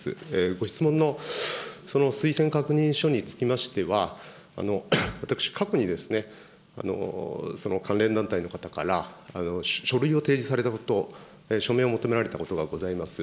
ご質問の推薦確認書につきましては、私、過去にその関連団体の方から、書類を提示されたこと、署名を求められたことがございます。